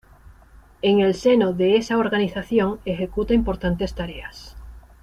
En el seno de esa organización ejecuta importantes tareas.